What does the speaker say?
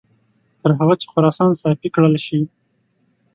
تر هغه چې خراسان صافي کړل شي.